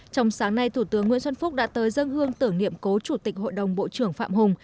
trong sáng nay thủ tướng nguyễn xuân phúc đã tới dân hương tưởng niệm cố chủ tịch hội đồng bộ trưởng phạm hùng